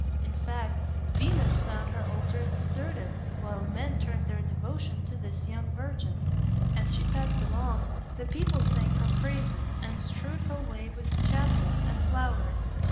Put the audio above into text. In fact Venus found her altars deserted, while men turned their devotion to this young virgin. As she passed along, the people sang her praises, and strewed her way with chaplets and flowers.